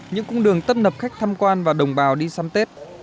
những cung đường tất nập khách tham quan và đồng bào đi xăm tết